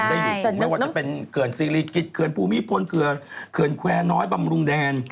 ได้อยู่ไม่ว่าจะเป็นเขื่อนศิริกิจเขื่อนภูมิพลเขื่อนแควร์น้อยบำรุงแดน